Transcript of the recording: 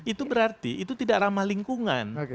itu berarti itu tidak ramah lingkungan